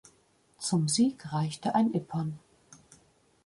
Zum Sieg reichte ein Ippon.